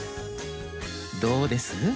どうです？